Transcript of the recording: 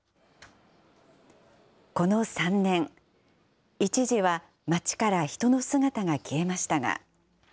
この３年、一時は街から人の姿が消えましたが。